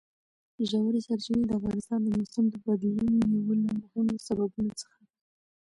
ژورې سرچینې د افغانستان د موسم د بدلون یو له مهمو سببونو څخه ده.